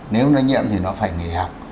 nếu nó nhiễm thì nó phải nghỉ học